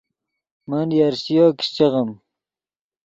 من یرشِیو کیشچے غیم